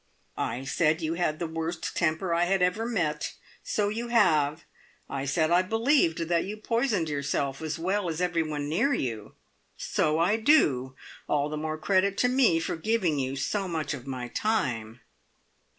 "I said you had the worst temper I had ever met. So you have. I said I believed that you poisoned yourself, as well as every one near you. So I do. All the more credit to me for giving you so much of my time."